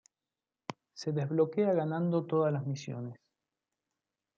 Se desbloquea ganando todas las misiones.